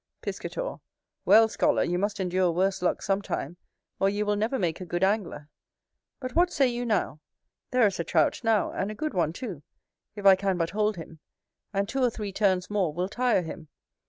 Piscator. Well, scholar, you must endure worse luck sometime, or you will never make a good angler. But what say you now? there is a Trout now, and a good one too, if I can but hold him; and two or three turns more will tire him.